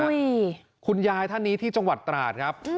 ผมั้อยคุณยายท่านที่จังหวัดตราจครับ